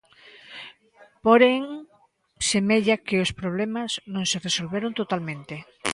Porén, semella que os problemas non se resolveron totalmente.